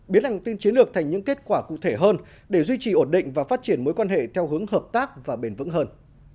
biến lòng tin chiến lược thành những kết quả cụ thể hơn để duy trì ổn định và phát triển mối quan hệ theo hướng hợp tác và bền vững hơn